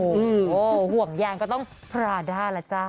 คือห่วงยางก็ต้องพราด้าแล้วจ้า